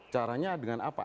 caranya dengan apa